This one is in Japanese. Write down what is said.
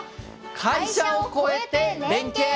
「会社を超えて連携！